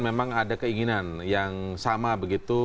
memang ada keinginan yang sama begitu